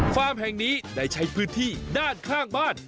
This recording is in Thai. แห่งนี้ได้ใช้พื้นที่ด้านข้างบ้าน